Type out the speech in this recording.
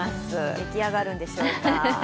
出来上がるんでしょうか。